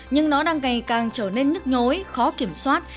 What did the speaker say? nhưng nó đang ngày càng trở nên nhức nhối khó kiểm soát